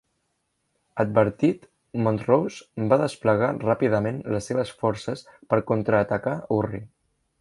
Advertit, Montrose va desplegar ràpidament les seves forces per contraatacar Urry.